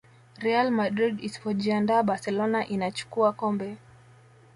real madrid isipojiandaa barcelona inachukua kombe